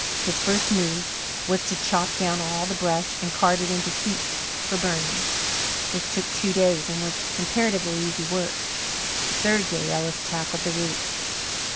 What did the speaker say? His first move was to chop down all the brush and cart it into heaps for burning. This took two days and was comparatively easy work. The third day Ellis tackled the roots.